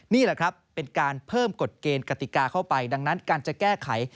นี่แหละครับเป็นการเพิ่มกฎเกณฑ์กติกาเข้าไปดังนั้นการจะแก้ไข